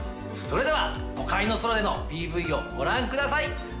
それでは「都会の空で」のＰＶをご覧ください